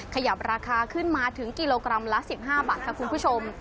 ขยับราคาขึ้นมาถึงกิโลกรัมละ๑๕บาทค่ะคุณผู้ชม